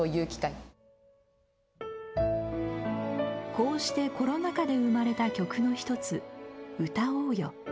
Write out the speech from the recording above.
こうしてコロナ禍で生まれた曲の一つ「歌おうよ」。